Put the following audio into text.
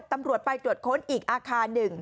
ตำรวจไปตรวจค้นอีกอาคาร๑